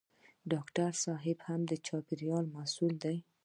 ډاکټر صېب هم د چاپېریال محصول دی.